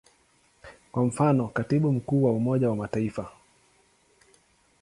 Kwa mfano, Katibu Mkuu wa Umoja wa Mataifa.